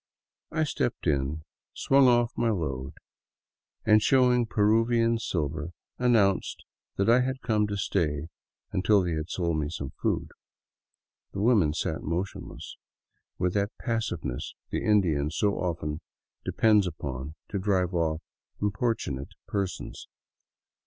I stepped in, swung oflf my load, and, showing Peruvian silver, an nounced that I had come to stay until they had sold me food. The women sat motionless, with that passiveness the Indian so often de pends upon to drive off importunate persons.